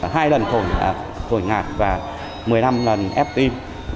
hai lần khổi ngạt và một mươi năm lần ép tim